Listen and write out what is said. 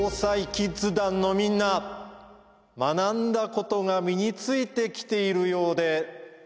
キッズ団のみんな学んだことが身についてきているようでうれしいぞ。